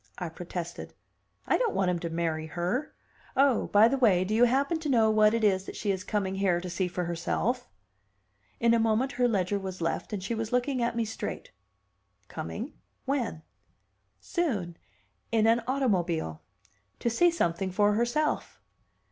I protested. "I don't want him to marry her. Oh, by the way do you happen to know what it is that she is coming here to see for herself?" In a moment her ledger was left, and she was looking at me straight. Coming? When? "Soon. In an automobile. To see something for herself."